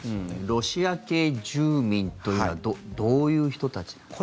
ロシア系住民というのはどういう人たちなんですか。